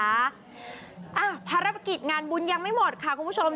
อ่ะภารกิจงานบุญยังไม่หมดค่ะคุณผู้ชม